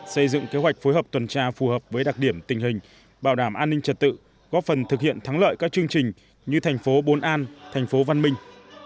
xây dựng kế hoạch phối hợp tuần tra phù hợp với đặc điểm tình hình bảo đảm an ninh trật tự góp phần thực hiện thắng lợi các chương trình như tp bồn an tp văn minh